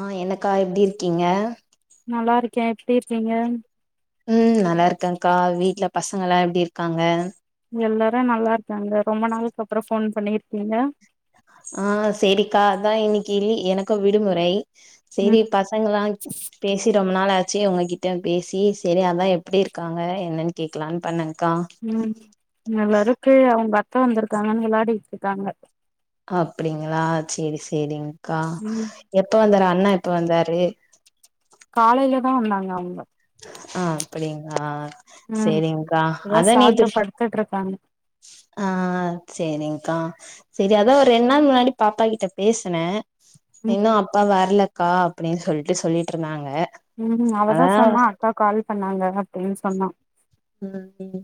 அ என்னக்கா எப்டி இருக்கீங்க நல்லா இருக்கே எப்டி இருக்கீங்க ம் நல்லா இருக்கேக்கா வீட்ல பசங்கல்லா எப்டி இருக்காங்க எல்லாரு நல்லா இருக்காங்க ரொம்ப நாளைக்கு அப்புறோ ஃபோன் பண்ணிருக்கீங்க தா இன்னிக்கி இ எனக்கு விடுமுறை செரி ம் பசங்களா பேசி ரொம்ப நாலாச்சே உங்ககிட்ட பேசி செரி அதா எப்டி இருக்காங்க என்னன்னு கேட்கலான்னு பண்ணேங்க ம் நல்லாருக்கு அவங்க அத்த வந்திருக்காங்கன்னு வெளாடிட்டு இருக்காங்க அப்டிங்களா செரி செரி்ங்கா ம் எப்ப வந்தாரு அண்ணா எப்ப வந்தாரு காலையில தா வந்தாங்க அவ்ங்க அ அப்டிங்களா ம் செரிங்க்கா இப்பதா அதா நேத்து சாப்ட்டு படுத்துட்டு இருக்காங்க அ செரி்ங்கா செரி அதா ஒரு ரெண்டு நாள் முன்னாடி பாப்பா கிட்ட பேசுனே ம் இன்னு அப்பா வரலக்கா அப்டின்னு சொல்ட்டு சொல்லிட்டு இருந்தாங்க ம் அவதா சொன்னா அக்கா கால் பண்ணாங்க அப்டின்னு சொன்னா ம் ம்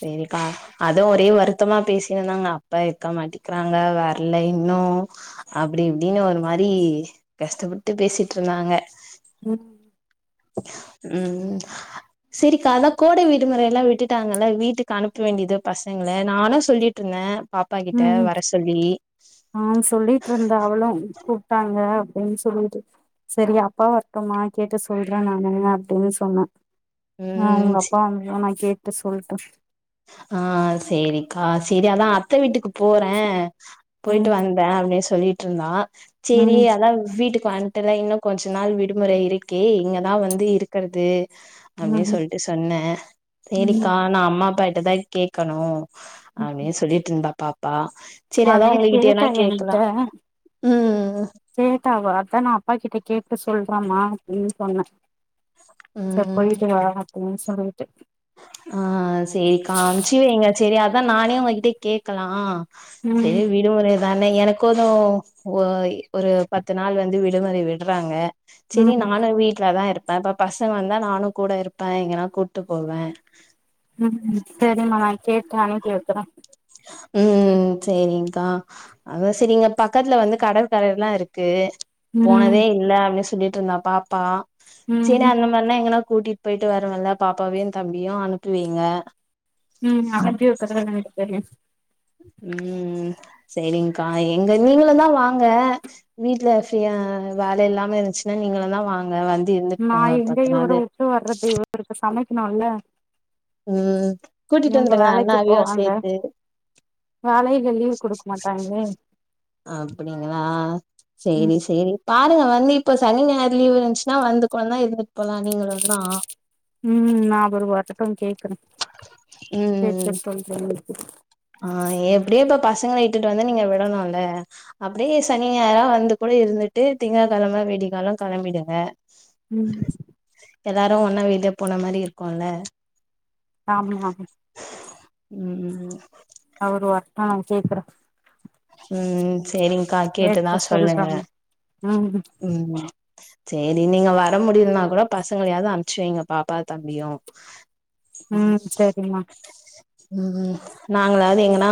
செரிக்கா அதா ஒரே வருத்தமா பேசினந்தாங்க அப்பா இருக்க மாட்டிக்கிறாங்க வர்ல இன்னு அப்டி இப்டின் ஒரு மாரி கஷ்டப்பட் பேசிட்டு இருந்தாங்க ம் ம் செரிக்கா அதா கோடை விடுமுறைல்லா விட்டுட்டாங்கல்ல வீட்டுக்கு அனுப்ப வேண்டியதா பசங்கள நானு சொல்லிட் இருந்தே ம் அ சொல்லிட் இருந்தா அவளு கூப்ட்டாங்க அப்டின் சொல்லிட்டு செரி அப்பா வரட்டுமா கேட்டு சொல்றே நானு அப்டின்னு சொன்ன அ அங்க ம் அப்பா வந்தது நா கேட்டு சொல்ட்டு அ செரிக்கா செரி அதா அத்த வீட்டுக்கு போ போறே போயிட் ம் வந்தே அப்டின்னு சொல்லிட் இருந்தா செரி ம் அதா வீட்டுக்கு பாண்ட்ல இன்னு கொஞ்ச நாள் விடுமுறை இருக்கே இங்கதா வந்து இருக்கிறது அப்டின்னு ம் சொல்லிட் சொன்னே ம் செரிக்கா நா அம்மா அப்பா கிட்டதா கேட்கணு ம் அப்டினு சொல்லிட் இருந்தா பாப்பா செரி அதா அதே உங்ககிட்டனா கேட்டா என்கிட்ட கேக்கலா கேட்டா அவ அதா நா அப்பா கிட்ட கேட்டு சொல்றேமா அப்டின்னு சொன்ன செரி போயிட்டு வா அப்டின்னு சொல்லிட்டு அ செரிக்கா அனுப்ச்சி வைங்க செரி அதா நானே உங்ககிட்ட கேக்கலா ம் செரி விடுமுறை தா அ எனக்குது ஒய் ஒரு பத்து நாள் வந்து விடுமுறை விட்றாங்க செரி ம் நானு வீட்லதா இருப்பே இப்ப பசங்க வந்தா நானு கூட இருப்பே எங்கன்னா கூப்ட்டு போவே ம் செரிமா நா கேட்டு அனுப்பி வைக்கிற ம் செரி்ங்கா அத செரி இங்க பக்கத்ல வந்து கடற்கரைல்லா இருக்கு ம் போனதே இல்ல அப்டின் சொல்லிட் இருந்தா பாப்பா செரி ம் அந்த மாரின்னா எங்கன்னா கூட்டிட் போயிட் வருவேல்ல பாப்பாவையு தம்பியு அனுப்பி வைங்க ம் அனுப்பி வெக்கிற ரெண்டு பேரையு ம் செரிங்க்கா எங்க நீங்களுந்தா வாங்க வீட்ல ஃப்ரீயா வேல இல்லாம இருந்த்ச்சுன்னா நீங்களுந்தா வாங்க வந்து இருந்துட்டு நா போங்க ஒரு எங்க பத்து இவர நாளு உட்டு வர்றது இவருக்கு சமைக்கணுல்ல ம் கூட்டிட் இவங்க வந்திருங்க வேலைக்கு அண்ணாவையு போவாங்க சேத்து வேலையில லீவ் குடுக்க மாட்டாங்களே அப்டிங்ளா ம் செரி செரி பாருங்க வந்து இப்ப சனி ஞாயிறு லீவ் வந்த்ச்னா வந்து கொஞ்னா இருந்துட் போலா நீங்களுந்தா ம் நா அவர் வரட்டு கேக்குற ம் கேட்டு சொல்ற இன்னக்கி ஆ எப்டியு இப்ப பசங்கள இட்டுட்டு வந்து நீங்க விடணுல்ல அப்டியே சனி ஞாயிறா வந்து கூட து இருந்துட்டு திங்கக் கெழம விடிக்கால்லா களம்பிடுங்க ம் எல்லாரு ஒன்னா வெளிய போன மாரி இருக்குல்ல ஆமா ம் அவரு வர்ட்டு நா கேகுறே ம் செரிங்க்கா கேட்டதா சொல்லுங்க. சொல்றேங்க ம் ம் செரி நீ நீங்க வர முடியலனா கூட பசங்களயாவது அம்ச்சி வைங்க பாப்பா தம்பியு ம் ம் நாங்களாவது எங்கனா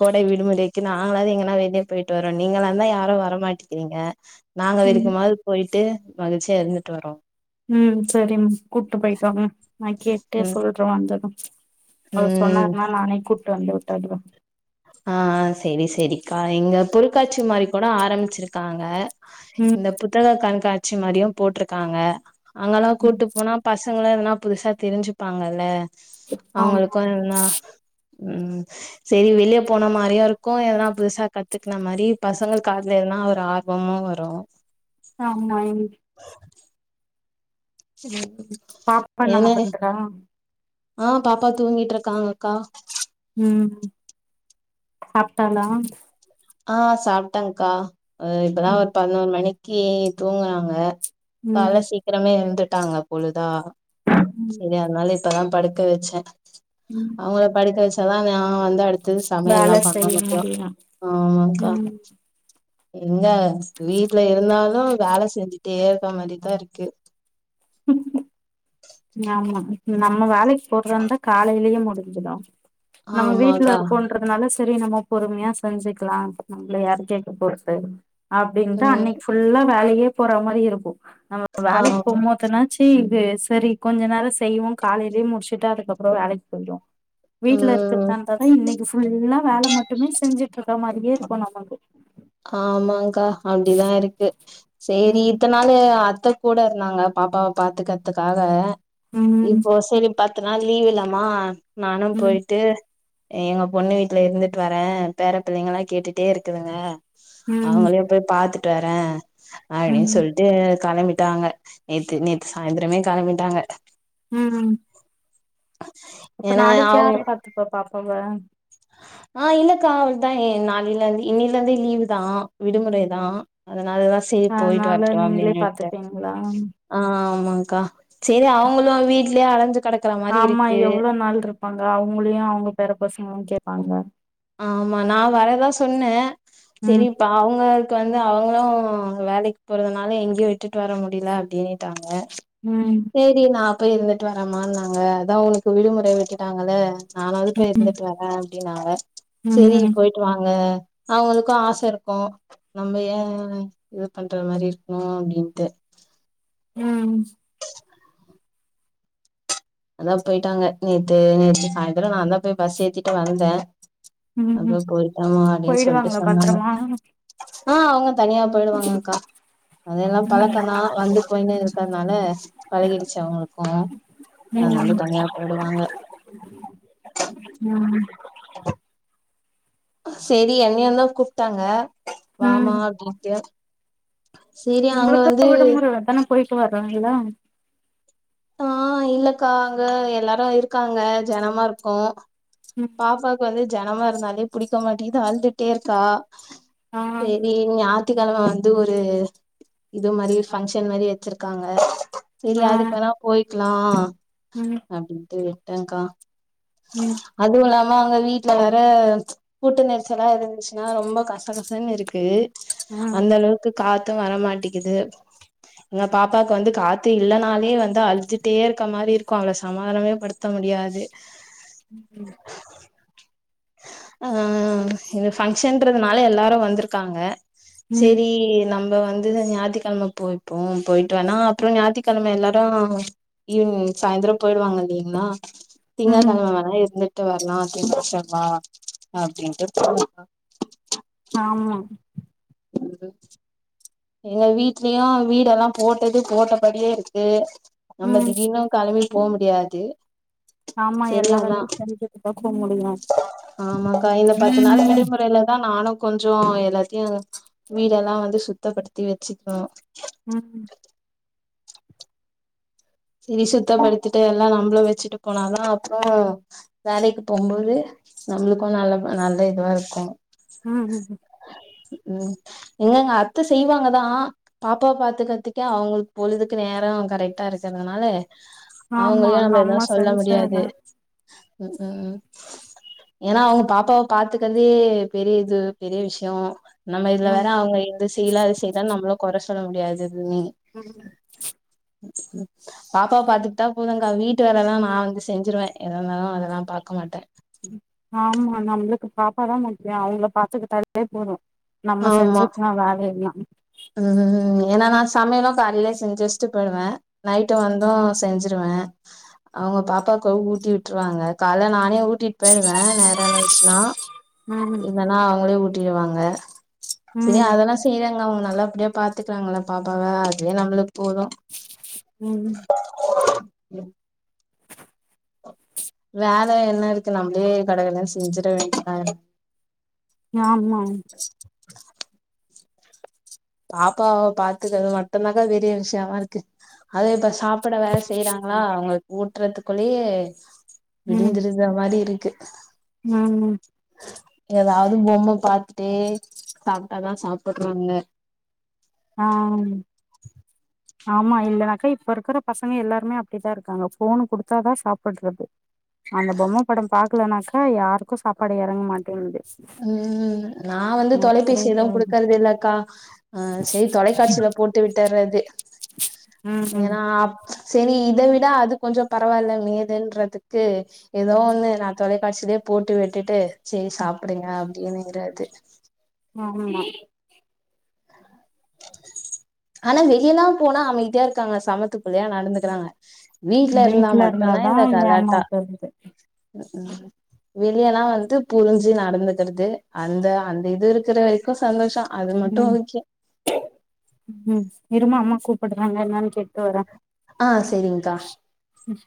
கோடை விடுமுறைக்கு நாங்களாவது எங்கனா வெளிய போயிட் வரோம் நீங்களாந்தா யாரும் வரமாட் கிறீங்க நாங்க ம் வெரிக்குமாது போயிட்டு மகிழ்ச்சியா இருந்துட் வர்றோ கூப்ட்டு போய்ட் வாங்க நா கேட்டே ம் சொல்றே வந்தது அவரு ம் சொன்னாருன்னா நானே கூப்ட் வந்து உட்டுட்ற ஆ செரி செரிக்கா இங்க பொருள்க்காட்சி மாரி கூட ஆரம்பிச்சிருக்காங்க ம் இந்த புத்தக கண்காட்சி மாரியு போட்ருக்காங்க அங்கெல்லா ம் கூட்டு போனா பஸ் சங்களு எதுன்னா புதுசா தெரிஞ்சுப்பாங்கல்ல ஆமா அவங்களுக்கு எதுன்னா ம் சேரி வெளியேப் போன மாரியு இருக்கு எதனா புதுசா கத்துக்குன மாரி பசங்களுக்கு அதுல எதனா ஒரு ஆர்வமும் வரும் ஆமா ங் [unintelligible] பாப்பா என்னமா ஏன்னா பண்றா ஆ பாப்பா தூங்கிட்ருக்காங்க அக்கா ம் சாப்ட்டாலா ஆ சாப்ட்டங்க்கா ஆ இப்பதா ம் ஒரு பதினோர் மணிக்கீ தூங்குனாங்க கால்ல ம் சீக்கிரமே எழுந்துட் டாங்க பொழுதா ம் சேரி அத்னால இப்பதா படுக்க வெச்சே ம் அவ்ங்கள படுக்க வச்சாதா நா வந்து அடுத்தது வேல சமையல்லா பண்ண செய்ய முடியு ஆமாங்க்கா ம் எங்க வீட்ல இருந்தாலு வேல செஞ்சு ட்டே இருக்கா மாரிதா இருக்கு ஆமா நம்ம வேலைக் போறதாருந்தா காலைலயே முடிஞ்சிடு நம்ம வீட்ல ஆமாக்கா இருக்கோன்றதுனால செரி நம்ம பொறுமையா செஞ்சுக்கலா நம்ப்ள யாரு கேக்க போறது அப்டின்ட்டு ம் அன்னைக் ஃபுல்லா வேலையே போற மாரி இருக்கு நம்ம ஆமா வேலைக் போம் போதுனாச்சி ஆ செரி கொஞ்ச நேரொ செய்வோ காலைலயே முடிச்சுட்டா அதுக்கப்றொ வேலைக் கொஞ்சொ வீட்ல ம் இருக்றதார்ந்தாதா இன்னைக்கு ஃபுல்லா வேல மட்டுமே செஞ்சு ட்ருக்குற மாரியே இருக்கு நம்ளுக் ஆமாங்க்கா அப்டிதா இருக்கு சேரி ம் இத்தன் நாலு அ த்த கூட இருந்தாங்க பாப்பாவ பாத்துக்கற்த்துக்காக ம் இப்போ சேரி பத்து நாள் லீவ் இல்லாமா நானு ம் போயிட்டு எங்க பொண்ணு வீட்ல இருந்துட்டு வர பேர பிள்ளைங்கல்லா கேட்டுட்டே இருக்குதுங்க ம் அவ்ங்களையு போய் பாத்துட்டு வர அப்டின் ம் சொல்லிட்டு கெளம்பிட் டாங்க நேத்து நேத்து சாய்ந்தரமே கெளம்பிட்டாங்க ம் அப்ப ஏன்னா நாளக்கி அவங்க யாரு பாத்துப்பா பாப்பாவ ஆ இல்லக்கா அவள்தா ஏ நாலைல இருந்து இன்னில இருந்தே லீவுதா விடுமுறைதா அதுனாலதா சேரி போய்ட்டு அதனால வரட்டு நீங்களே அப்புடின்னு விட்டே பாத்துப்பீங்களா ஆ ஆமாங்க்கா சேரி அவங்களு வீட்லயே அடஞ்சு ஆமா எவ்ளோ நாள் இருப்பாங்க அவங்களையு அவங்க பேர பசங்களு கேட்பாங்க. ஆமா நா வரதா சொன்ன செரி ம் இப்ப அவங்க க்கு வந்து அவங்களு வேலைக்கு போறதுனாலே எங்கேயு விட்டுட்டு வர முடியல அப்புடின்னுட்டாங்க ம் சேரி நா போய் இருந்துட்டு வரமான் நாங்க அதா உனக்கு விடுமுறை விட்டுட்டாங்களே நானாவது போய் ம் இருந்துட்டு வரே அப்டின்னாங்க செரி ம் போயிட்டு வாங்க அவங்களுக்கு ஆச இருக்கு நம்ப ஏ இது பண்ற மாரி இருக்கணு அப்புடின்ட்டு ம் அதா போயிட்டாங்க நேத்து நேத்து சாயந்தர நாந்தா போய் பஸ் ஏத்திட்டு வந்த ம் அப்றொ ம். போயிட்டாமா அப்புடின்னு சொல்ட்டு போயிடுவாங்களா சொன்னாங்க பத்திரமா ஆ உங் தனியா போயிடுவாங்கக்கா அதெல்லா பழக்கந்தா வந்து கொண்டே இருக்கறனால பழகிடுச்சு அவங்களுக்கு அதனால ம் தனியா போயிடுவாங்க ம் சேரி என்னயுந்தா கூப்ட்டாங்க வாமா அப்புடின்ட்டு ஒங்களுக்கு விடுமுறை தான போயிட்டு வரலா இல்ல. ஆ இல்லக்கா அங்க எல்லாரு இருக்காங்க ஜனமா இருக்கூ. ம் பாப்பாவுக்கு வந்து ஜனமா இருந்தாலே பிடிக்க மாட்டேகிது அழுதுட்டே இருக்கா. ஆ செரி ஞாத் த்துக்கெழம வந்து ஒரு இது மாரி ஃபங்க்ஷன் மாரி வச்சிருக்காங்க. சரி ஆ அதுக்கு வேணா போய்க்கலா ம் அப்டின்ட்டு விட்டேங்க்கா. ம் அதுவு இல்லாம அங்க வீட்ல வேற கூட்ட நெரிசலா இருந்துச்சுனா ரொம்ப கசகசன்னு இருக்கு. ம் அந்த அளவுக்கு காத்து வரமாட்டேக்கிது. எங்க பாப்பாக்கு வந்து காத்து இல்லன்னாலே வந்து அழுதுட்டே இருக்க மாரி இருக்கு அவள சமாதானமே படுத்த முடி முடியாது ம் ஆ இது பங்க்ஷன்றதுனால எல்லாரு வந்திருக்காங்க. ம் செரி நம் ப்ப வந்துது ஞாயித்துக்கெழம போய்ப்போ போயிட்டு வேணா அப்றொ ஞாயித்துக்கெழம எல்லாரு ஈவ்னிங் சாயந்தரொ போய்டுவாங்க இல்லீங்ளா ம் திங்கக்கெழம வேணா இருந் இருந்துட்டு வர்லா அப்டின் [inaudible] அப்டின்ட்டு [inaudible] ஆமா ம் எங்க வீட்லயு வீடெல்லா போட்டது போட்டபடியே இருக்கு. நம்ம ம் திடீர்ன்னு கெளம்பி போ முடியாது. ஆமா சேரி எல்லா அதா வேலையு செஞ்சு [inaudible] ட்டுதா போ முடியு ஆமாக்கா, இந்த பத்து நாள் விடுமுறையிலதா நானு கொஞ்சோ எல்லாத்தையு வீடெல்லா வந்து சுத்தப்படுத்தி வச்சுக்குவோ. ம் செரி சுத்தப்படித்திட்டு எல்லா நம்மளு வச்சுட்டு போனாதா அப்றொ வேலைக்கு போம்போது நம்மளுக்கு நல்ல நல்ல இதுவா இருக்கு. ம் ம் ம் ம் எங்கங்க அத்த செய்வாங்கதா பாப்பா பாத்துக்கறதுக்கே அவங்களுக்கு பொழுதுக்கு நே நேரோ கரெக்ட்டா இருக்கறதுனால ஆமா அவங்களையு நம்ம எதா சொல்ல முடியாது. செஞ்சாதா ம் ம் ம் ஏன்னா அவங்க பாப்பாவ பாத்துக்கறதே பெரிய இது பெரிய விஷ்யொ. நம்ம இதுல வேற ம் அவங்க இது செய்யல, அது செய்யல நம்மளு கொற சொல்ல முடியாது. நீ ம் பாப்பாவ பாத்துக்கிட்டா போதுங்கா வீட்டு வேலலா நா வந்து செஞ்சிருவ எதாந்தாலு அதெல்லா பாக்க மாட்ட ம் ம் ஆமா நம்புளுக்கு பாப்பாதா முக்கியோ அவுங்கள பாத்துக்கிட்டாலே போதோ நம்ம ஆமா செஞ்சுக்லா வேலை எல்லா ம் ஏன்னா நா சமையலு காலைலே செஞ்சு வெச்சிட் போய்டுவே நைட்டு வந்தோ செஞ்சிருவே. அ அவுங்க பாப்பாக்கோ ஊட்டி விட்டுருவாங்க காலை நானே ஊட்டிட் போய்டுவ நேரோ இருந்துச்சுனா. ம் இல்லன்னா அவுங்ளே ஊட்டிடுவாங்க செரி ம் அதெல்லா செய்றாங்க அவுங்க தா நல்லபடியா பாத்துக்கிறாங்கல்ல பாப்பாவ அதுவே நம்முளுக்கு போதோ ம் வேல என்ன இருக்கு நம்ளே கடகடனு செஞ்சிட வேண்டியதா. ஆமா பாப்பாவ பாத்துக்கறது மட்டுந்தாக்கா பெரிய விஷயமா இருக்கு அதுவே இப்ப சாப்ட வேற செய்றாங்ளா அவுகுங்ளுக்கு ஊட்டுறதுக்குள்ளயே ம் விடிஞ்சிர மாரி இரு க்கு ம் ஏதாவது பொம்ம பாத்துட்டே சாப்ட்டாதா சாப்டுறாங்க ஆ ஆமா இல்லனாக்கா இப்ப இருக்குற பசங்க எல்லாருமே அப்டித்தா இருக்காங்க போனு குடுத்தாதா சாப்டுறது அந்த பொம்ம படொ பாக்லனாக்கா யாருக்கோ சாப்பாடு எறங்க மாட்டேங்குது ம் நா வந்து அப்டியே தொலைபேசியுலா போகுது குடுக்கறது இல்லக்கா சரி தொலைக்காட்சில போட்டு விட்டறது ம் ஏன்னா அப் சரி இத விட அது கொஞ்சோ பரவால்ல மேதுன்றதுக்கு ஏதோ ஒண்ணு நா தொலைக்காட்சி போட்டு விட்டுட்டு சேரி சாப்டுங்க அப்டீனுங்கறது ஆமா ஆனா வெளியெலா போனா அமைதியா இருக்காங்க சமத்துபுள்ளையா நடந்துக்குறாங்க வீட்ல இருந்தா மட்டு தா இருந்தாதா இந்த கலாட்டா ஏமாத்து வருது ம் க்கு வெளியெலா வந்து புரிஞ்சு நடந்துகறது அந்த அந்த இது இருக்குற வெரிக்கோ சந்தோஷோ அது மட்டோ ம் ஓகே ம் இருமா அம்மா கூப்டுறாங்க என்னானு கே ட்டு வர ஆ செரிங்க்கா ம்